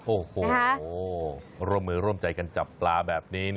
โอ้โหร่วมมือร่วมใจกันจับปลาแบบนี้